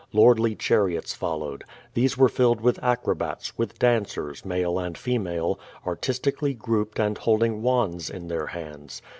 Lordly chariots followed. These were filled with acrobats, with dancers, male and female, artistically grouped and holding wands in their hands.